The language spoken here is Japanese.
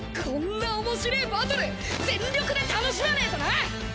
こんなおもしれえバトル全力で楽しまねえとな！